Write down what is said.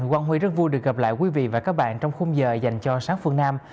quang huy rất vui được gặp lại quý vị và các bạn trong khung giờ dành cho sáng phương nam